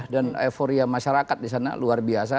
dan euforia masyarakat disana luar biasa